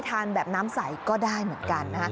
ทานแบบน้ำใสก็ได้เหมือนกัน